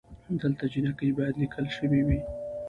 دلته جینکۍ بايد ليکل شوې وئ